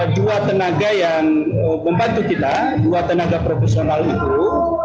dua tenaga yang membantu kita dua tenaga profesional itu